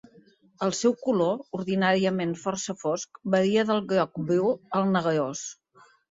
El seu color, ordinàriament força fosc varia del groc-bru al negrós